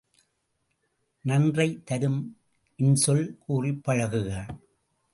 நன்றைத் தரும் இன்சொல் கூறிப் பழகுக!